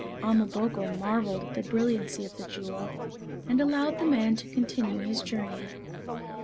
Ama boko marveled at the brilliancy of the jewel, and allowed the man to continue his journey.